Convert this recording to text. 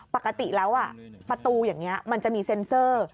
ปกติแล้วประตูอย่างนี้มันจะมีเซ็นเซอร์